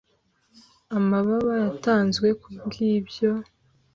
Amababa yatanzwe: kubwibyo.